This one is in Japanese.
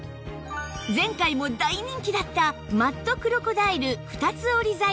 前回も大人気だったマットクロコダイル二つ折り